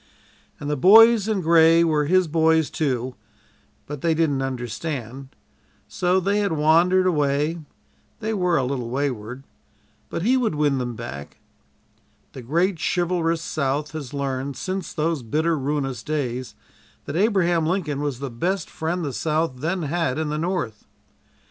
And "the Boys in Gray" were his "boys," too, but they didn't understand, so they had wandered away they were a little wayward, but he would win them back. The great chivalrous South has learned, since those bitter, ruinous days, that Abraham Lincoln was the best friend the South then had in the North.